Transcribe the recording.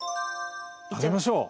あげましょう。